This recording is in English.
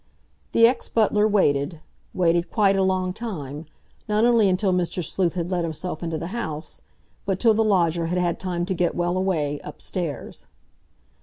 The ex butler waited—waited quite a long time, not only until Mr. Sleuth had let himself into the house, but till the lodger had had time to get well away, upstairs.